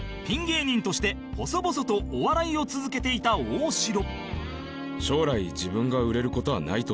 芸人として細々とお笑いを続けていた大城